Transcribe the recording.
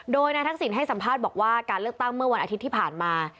โดยนายทักษิณให้สัมภาษณ์บอกว่าการเลือกตั้งเมื่อวันอาทิตย์ที่ผ่านมา